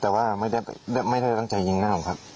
แต่ว่าไม่ได้ทำไม่ได้ต้องจะยิงหน้าผมนะครับ